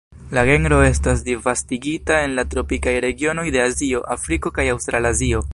La genro estas disvastigita en la tropikaj regionoj de Azio, Afriko kaj Aŭstralazio.